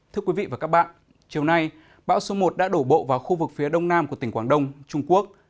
thưa quý vị và các bạn chiều nay bão số một đã đổ bộ vào khu vực phía đông nam của tỉnh quảng đông trung quốc